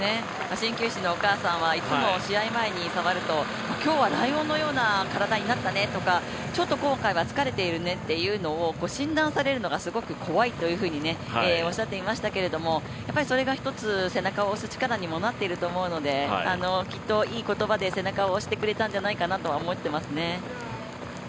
鍼灸師のお母さんはいつも試合前に触ると今日はライオンのような体になったねとかちょっと今回は疲れているねっていうのを診断されるのがすごく怖いというふうにおっしゃっていましたけれどそれが一つ、背中を押す力にもなっていると思うのできっといい言葉で背中を押してくれたんじゃないかと思いますね。